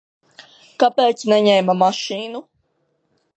Kāpēc neņēma mašīnu?